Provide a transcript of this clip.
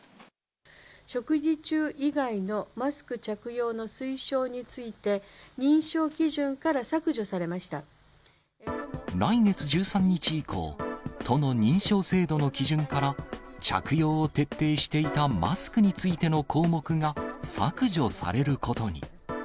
食事中以外のマスク着用の推奨について、来月１３日以降、都の認証制度の基準から、着用を徹底していたマスクについての項目が削除されることに。